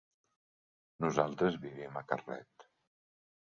Nosaltres vivim a Carlet.